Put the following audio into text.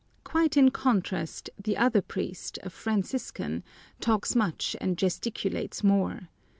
Quite in contrast, the other priest, a Franciscan, talks much and gesticulates more.